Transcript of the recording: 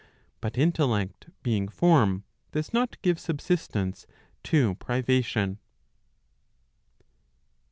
But intellect being form, does not give subsistence to privation.